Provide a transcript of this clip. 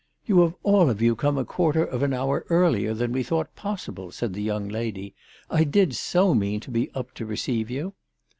" You have all of you come a quarter of an hour earlier than we thought possible," said the young lady. " I did so mean to be up to receive you